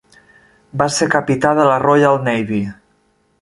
Va ser capità de la Royal Navy.